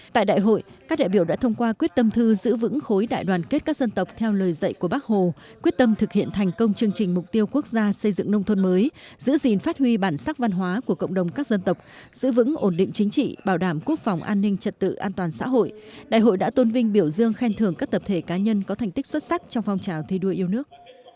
tại đại hội các đại biểu đã thông qua quyết tâm thư giữ vững khối đại đoàn kết các dân tộc theo lời dạy của bác hồ quyết tâm thực hiện thành công chương trình mục tiêu quốc gia xây dựng nông thôn mới giữ gìn phát huy bản sắc văn hóa của cộng đồng các dân tộc giữ vững ổn định chính trị bảo đảm quốc phòng an ninh trật tự an toàn xã hội đại hội đã tôn vinh biểu dương khen thưởng các tập thể cá nhân có thành tích xuất sắc trong phong trào thi đua yêu nước